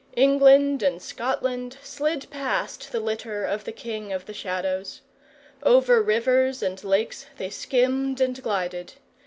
England and Scotland slid past the litter of the king of the Shadows. Over rivers and lakes they skimmed and glided.